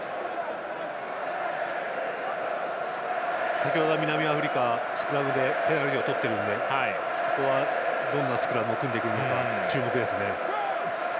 先程、南アフリカスクラムでペナルティーをとっているのでここはどんなスクラムを組んでくるのか注目ですね。